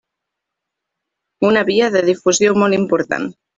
Una via de difusió molt important.